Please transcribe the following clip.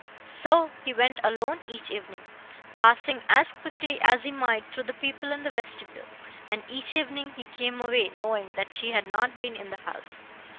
So he went alone each evening, passing as quickly as he might through the people in the vestibule; and each evening he came away knowing that she had not been in the house.